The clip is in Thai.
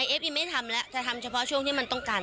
เอฟอิมไม่ทำแล้วจะทำเฉพาะช่วงที่มันต้องการ